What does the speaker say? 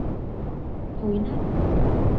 thối nát